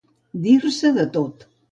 Dir-se de tot.